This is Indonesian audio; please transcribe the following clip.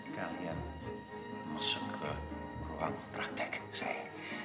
kalian masuk ke ruang praktek saya